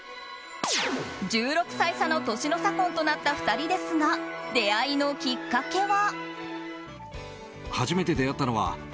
１６歳差の年の差婚となった２人ですが出会いのきっかけは。